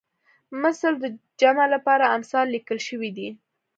مثل د جمع لپاره امثال لیکل شوی دی